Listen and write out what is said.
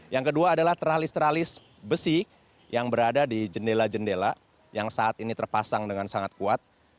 yang kedua adalah teralis teralis besi yang berada di jendela jendela yang saat ini terpasang dengan sangat kuat